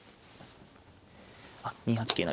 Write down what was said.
あっ２八桂成。